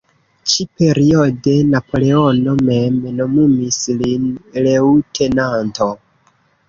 Ĉi-periode Napoleono mem nomumis lin leŭtenanto.